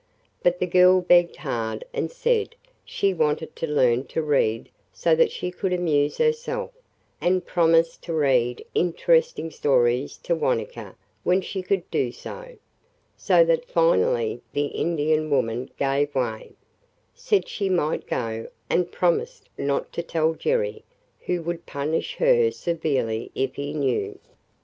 But the girl begged hard and said she wanted to learn to read so that she could amuse herself and promised to read interesting stories to Wanetka when she could do so, so that finally the Indian woman gave way, said she might go, and promised not to tell Jerry, who would punish her severely if he knew.